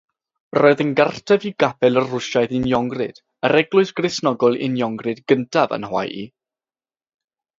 Roedd yn gartref i gapel Rwsiaidd Uniongred, yr eglwys Gristnogol Uniongred gyntaf yn Hawaii.